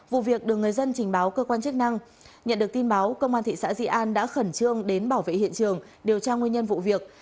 vụ việc được người dân trình báo cơ quan chức năng nhận được tin báo công an thị xã di an đã khẩn trương đến bảo vệ hiện trường điều tra nguyên nhân vụ việc